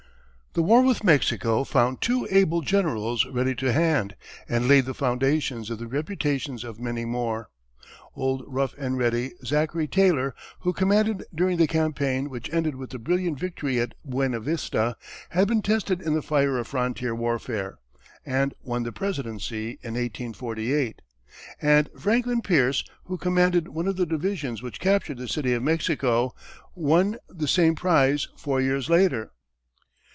The war with Mexico found two able generals ready to hand, and laid the foundations of the reputations of many more. "Old Rough and Ready" Zachary Taylor, who commanded during the campaign which ended with the brilliant victory at Buena Vista, had been tested in the fire of frontier warfare, and won the presidency in 1848; and Franklin Pierce, who commanded one of the divisions which captured the City of Mexico, won the same prize four years later.